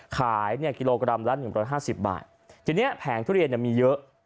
ขายเนี่ยกิโลกรัมละ๑๕๐บาททีนี้แผงทุเรียนเนี่ยมีเยอะ